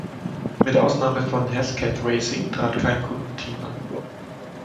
Mit Ausnahme von Hesketh Racing trat kein Kundenteam an.